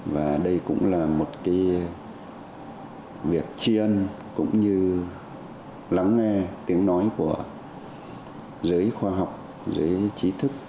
và đây cũng là một cái việc tri ân cũng như lắng nghe tiếng nói của giới khoa học giới trí thức